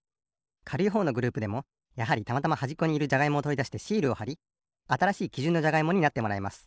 かるいほうのグループでもやはりたまたまはじっこにいるじゃがいもをとりだしてシールをはりあたらしいきじゅんのじゃがいもになってもらいます。